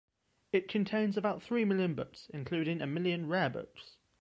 It contains about three million books, including a million rare books.